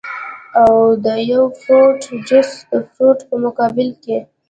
او د يو فروټ جوس د فروټ پۀ مقابله کښې